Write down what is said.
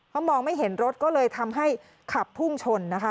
เพราะมองไม่เห็นรถก็เลยทำให้ขับพุ่งชนนะคะ